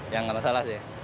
ya nggak masalah sih